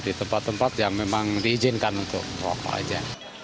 di tempat tempat yang memang diizinkan untuk rokok aja